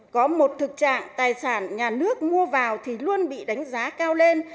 có một thực trạng tài sản nhà nước mua vào thì luôn bị đánh giá cao lên